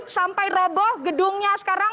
sampai roboh gedungnya sekarang